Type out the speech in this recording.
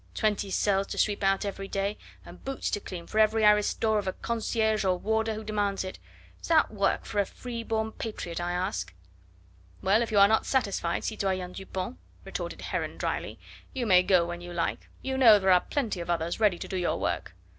twenty cells to sweep out every day... and boots to clean for every aristo of a concierge or warder who demands it.... Is that work for a free born patriot, I ask?" "Well, if you are not satisfied, citoyen Dupont," retorted Heron dryly, "you may go when you like, you know there are plenty of others ready to do your work..."